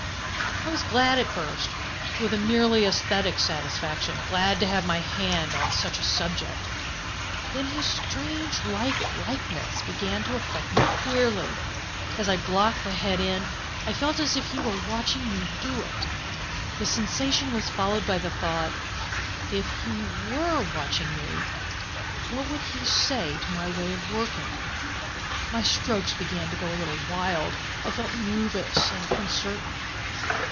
"I was glad at first, with a merely aesthetic satisfaction: glad to have my hand on such a 'subject.' Then his strange life likeness began to affect me queerly as I blocked the head in I felt as if he were watching me do it. The sensation was followed by the thought: if he WERE watching me, what would he say to my way of working? My strokes began to go a little wild I felt nervous and uncertain.